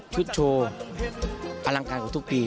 โชว์อลังการของทุกปี